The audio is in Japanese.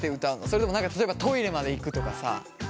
それとも例えばトイレまで行くとかさ。